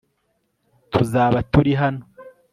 tuzaba turi hano